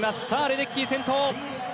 レデッキー先頭。